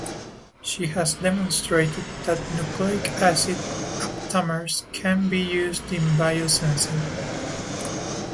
She has demonstrated that nucleic acid aptamers can be used in biosensing.